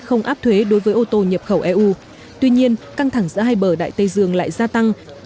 không áp thuế đối với ô tô nhập khẩu eu tuy nhiên căng thẳng giữa hai bờ đại tây dương lại gia tăng